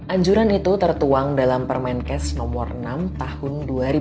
anjuran itu tertuang dalam permenkes nomor enam tahun dua ribu dua puluh